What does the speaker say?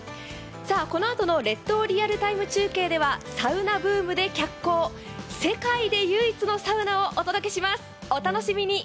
このあとの「列島リアルタイム中継」ではサウナブームで脚光、世界で唯一のサウナをお届けします。